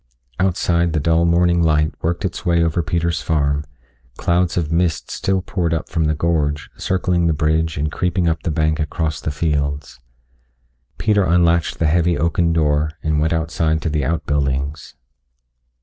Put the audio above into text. Outside the dull morning light worked its way over Peter's farm clouds of mist still poured up from the gorge, circling the bridge and creeping up the bank across the fields. Peter unlatched the heavy oaken door and went outside to the outbuildings.